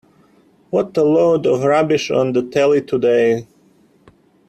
What a load of rubbish on the telly today.